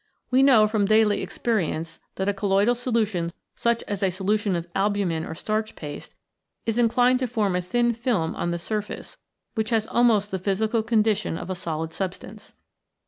We know from daily experience that a colloidal solution such as a solution of albu min or starch paste, is inclined to form a thin film on the surface, which has almost the physical con dition of a solid substance.